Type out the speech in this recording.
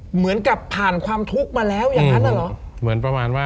เหมือนกับผ่านความทุกข์มาแล้วอย่างนั้นอ่ะเหรอเหมือนประมาณว่า